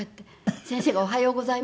先生が「おはようございます」